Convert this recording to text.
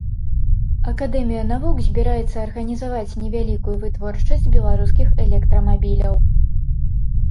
Акадэмія навук збіраецца арганізаваць невялікую вытворчасць беларускіх электрамабіляў.